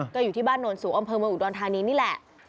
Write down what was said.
ก็อยู่ที่บ้านโนนสูงอำเภอเมืองอุดรธานีนี่แหละ